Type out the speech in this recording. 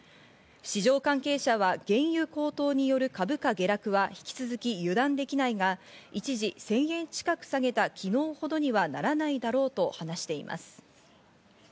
市場関係者は原油高騰による株価下落は引き続き油断できないが、一時１０００円近く下げた昨日ほどにはならないだろうと話しています。